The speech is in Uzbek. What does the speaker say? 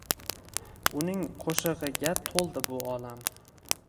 Uning qo’shig’iga to’ldi bu olam.